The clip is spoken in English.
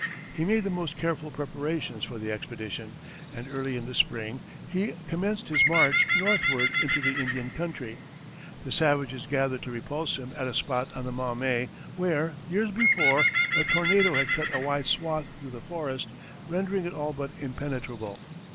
He made the most careful preparations for the expedition, and early in the spring, he commenced his march northward into the Indian country. The savages gathered to repulse him at a spot on the Maumee where, years before, a tornado had cut a wide swath through the forest, rendering it all but impenetrable.